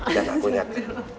dan aku nyatakan